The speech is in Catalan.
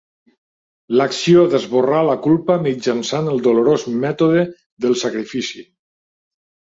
L'acció d'esborrar la culpa mitjançant el dolorós mètode del sacrifici.